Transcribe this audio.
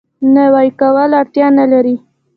نوی کولو اړتیا نه لري.